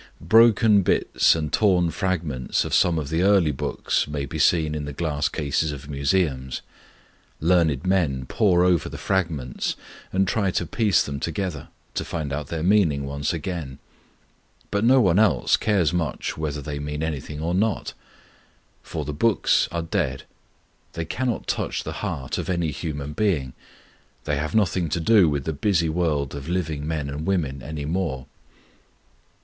Broken bits and torn fragments of some of the early books may be seen in the glass cases of museums. Learned men pore over the fragments, and try to piece them together, to find out their meaning once again; but no one else cares much whether they mean anything or not. For the books are dead. They cannot touch the heart of any human being; they have nothing to do with the busy world of living men and women any more.